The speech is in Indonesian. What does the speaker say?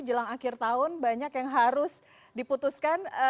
jelang akhir tahun banyak yang harus diputuskan